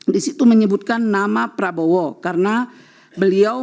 di situ menyebutkan nama prabowo karena beliau